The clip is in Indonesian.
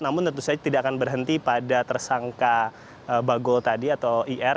namun tentu saja tidak akan berhenti pada tersangka bagol tadi atau ir